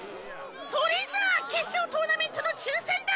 それじゃあ決勝トーナメントの抽選だ。